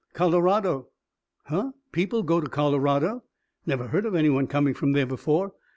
"Colorado." "Huh! People go to Colorado. Never heard of any one coming from there before.